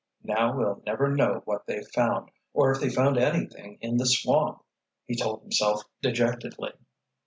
"Now we'll never know what they found, or if they found anything in the swamp," he told himself dejectedly.